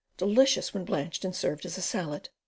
Delicious when blanched and served as a salad.